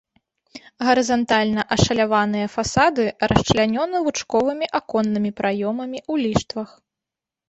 Гарызантальна ашаляваныя фасады расчлянёны лучковымі аконнымі праёмамі ў ліштвах.